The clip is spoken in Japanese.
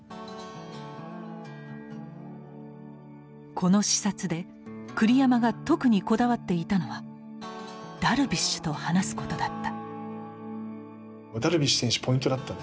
この視察で栗山が特にこだわっていたのはダルビッシュと話すことだった。